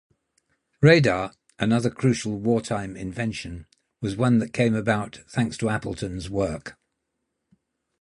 Radar, another crucial wartime innovation, was one that came about thanks to Appleton's work.